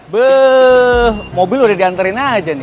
beuh mobil udah dianterin aja nih